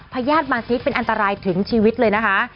พญาติมาซิกเป็นอันตรายถึงชีวิตเลยนะคะ